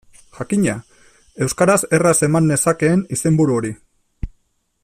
Jakina, euskaraz erraz eman nezakeen izenburu hori.